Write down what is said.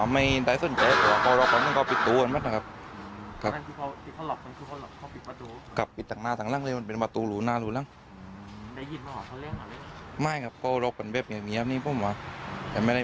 ไม่ครับก็โรคเป็นเว็บอย่างนี้ครับนี่พูดมาว่า